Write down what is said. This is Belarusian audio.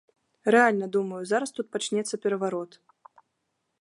Рэальна, думаю, зараз тут пачнецца пераварот!